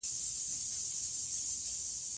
په افغانستان کې دریابونه ډېر اهمیت لري.